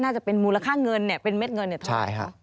น่าจะเป็นมูลค่าเงินเป็นเม็ดเงินเนี่ยทุกอย่าง